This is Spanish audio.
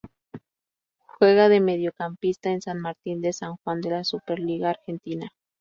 Juega de Mediocampista en San Martín de San Juan de la Superliga Argentina.